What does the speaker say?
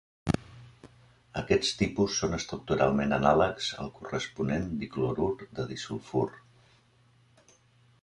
Aquests tipus són estructuralment anàlegs al corresponent diclorur de disulfur.